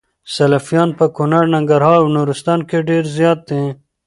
سلفيان په کونړ ، ننګرهار او نورستان کي ډير زيات دي